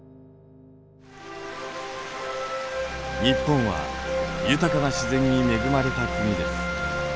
日本は豊かな自然に恵まれた国です。